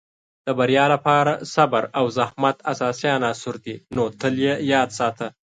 د بریا لپاره صبر او زحمت اساسي عناصر دي، نو تل یې یاد ساته.